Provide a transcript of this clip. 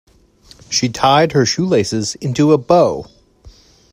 She tied her shoelaces into a bow.